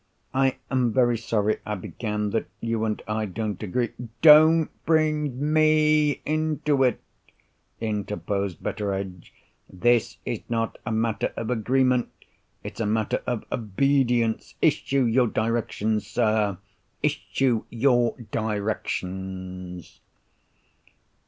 "I am very sorry," I began, "that you and I don't agree——" "Don't bring me, into it!" interposed Betteredge. "This is not a matter of agreement, it's a matter of obedience. Issue your directions, sir—issue your directions!"